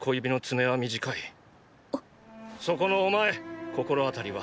そこのお前心当たりは？